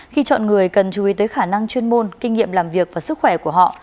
khi chọn người cần chú ý tới khả năng chuyên môn kinh nghiệm làm việc và sức khỏe của họ